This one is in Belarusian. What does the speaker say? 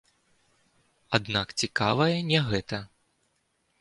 Аднак цікавае не гэта.